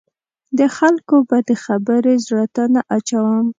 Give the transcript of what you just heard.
د خلکو بدې خبرې زړه ته نه اچوم.